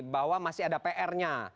bahwa masih ada prnya